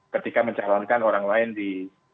ketika mencalonkan orang lain di